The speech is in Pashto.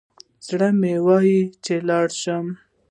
زړه مي وايي چي لاړ شم